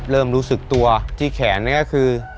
เริ่มรู้สึกตัวที่แขนนี่ก็คือ